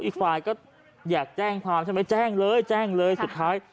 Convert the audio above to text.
อีกฝ่ายก็อยากแจ้งความใช่ไหมแจ้งเลยแจ้งเลยสุดท้าย